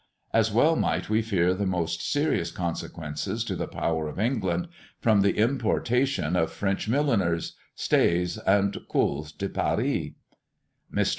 As well might we fear the most serious consequences to the power of England, from the importation of French milliners, stays, and Culs de Paris." Mr.